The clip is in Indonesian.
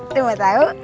lo mau tau